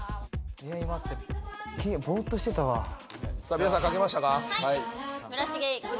皆さん書けましたか？